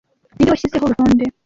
ninde washyizeho urutonde